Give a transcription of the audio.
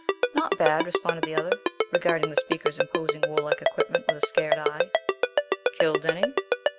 "Not bad," responded the other, regarding the speaker's imposing warlike equipment with a scared eye. "Killed any?"